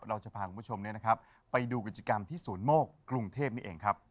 เราจะพาคุณผู้ชมเนี่ยนะครับไปดูกิจกรรมที่สวนโมกกรุงเทพนี่เองครับ